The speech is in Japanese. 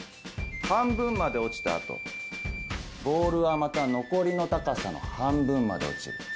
半分まで落ちた後ボールはまた残りの高さの半分まで落ちる。